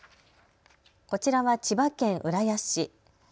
こちらは千葉県浦安市。